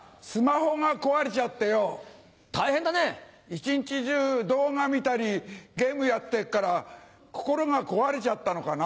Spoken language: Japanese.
一日中動画見たりゲームやってっから心が壊れちゃったのかな。